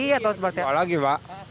iya dijual lagi pak